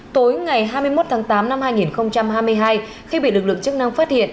tối ngày hai mươi một tháng tám năm hai nghìn hai mươi hai khi bị lực lượng chức năng phát hiện